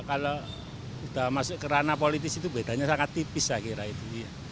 kalau sudah masuk ke ranah politis itu bedanya sangat tipis saya kira itu